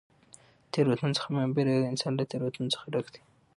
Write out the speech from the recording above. له تېروتنو څخه مه بېرېږه! انسان له تېروتنو څخه ډګ دئ.